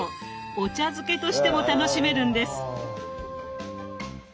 お茶漬けとしても楽しめるんです。